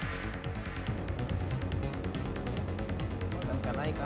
なんかないか？